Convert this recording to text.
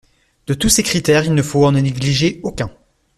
De tous ces critères, il ne faut en négliger aucun.